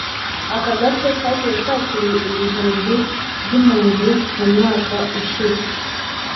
Aka gace kagiye kakira ibihumbi by’impunzi mu mwaka ushize